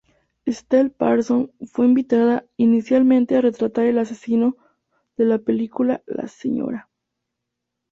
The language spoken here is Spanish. Estelle Parsons fue invitada inicialmente a retratar al asesino de la película, la Sra.